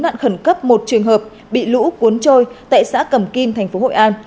nạn khẩn cấp một trường hợp bị lũ cuốn trôi tại xã cầm kim thành phố hội an